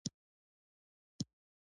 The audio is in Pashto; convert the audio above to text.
د صابون اوبه د کومو حشراتو لپاره دي؟